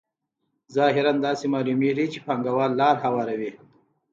ظاهراً داسې معلومېږي چې پانګوال لار هواروي